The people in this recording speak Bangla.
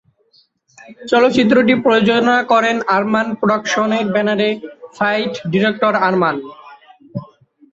চলচ্চিত্রটি প্রযোজনা করেন আরমান প্রোডাকশনের ব্যানারে ফাইট ডিরেক্টর আরমান।